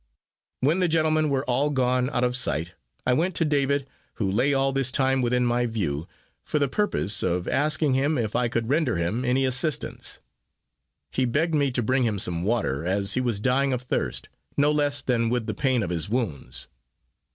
When the gentlemen were all gone out of sight, I went to David, who lay all this time within my view, for the purpose of asking him if I could render him any assistance. He begged me to bring him some water, as he was dying of thirst, no less than with the pain of his wounds.